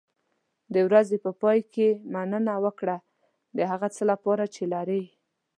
د ورځې په پای کې مننه وکړه د هغه څه لپاره چې لرې.